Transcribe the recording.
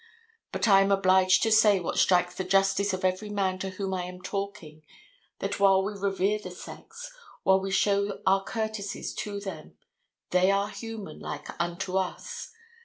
But I am obliged to say what strikes the justice of every man to whom I am talking, that while we revere the sex, while we show our courtesies to them, they are human like unto us.